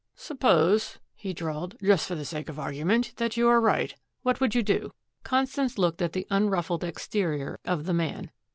"Suppose," he drawled, "just for the sake of argument, that you are right. What would you do?" Constance looked at the unruffled exterior of the man.